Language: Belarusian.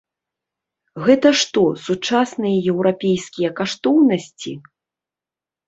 Гэта што, сучасныя еўрапейскія каштоўнасці?